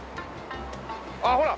あっほら